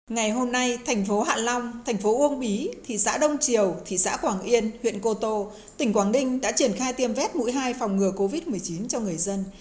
ngày hôm nay thành phố hạ long thành phố uông bí thị xã đông triều thị xã quảng yên huyện cô tô tỉnh quảng ninh đã triển khai tiêm vét mũi hai phòng ngừa covid một mươi chín cho người dân